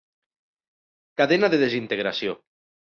Cadena de desintegració.